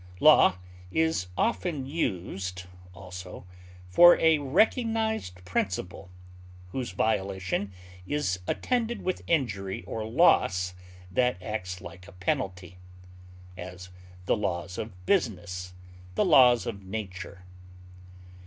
Law is often used, also, for a recognized principle, whose violation is attended with injury or loss that acts like a penalty; as, the laws of business; the laws of nature.